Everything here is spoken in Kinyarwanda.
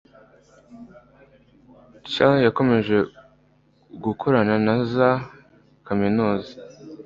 cnlg yakomeje gukorana na za kaminuza